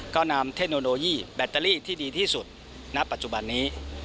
ก็นำเทคโนโลยีแบตเตอรี่ที่ดีที่สุดณปัจจุบันนี้